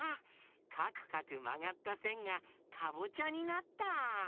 かくかくまがったせんがかぼちゃになった！